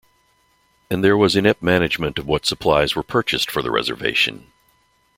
And there was inept management of what supplies were purchased for the reservation.